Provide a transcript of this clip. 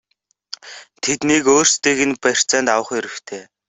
Тэднийг өөрсдийг нь барьцаанд авах хэрэгтэй!!!